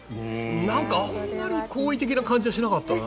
なんか好意的な感じはしなかったな。